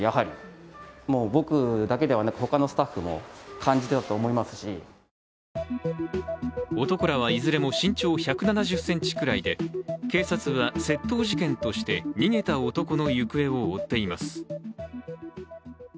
そのおよそ５分後男らはいずれも身長１７０ｃｍくらいで、警察は窃盗事件として逃げた男の行方を追っています。